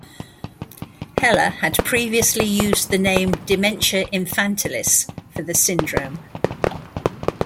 Heller had previously used the name "dementia infantilis" for the syndrome.